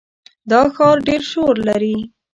دا ښار ډېر شور لري.